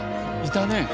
いたね。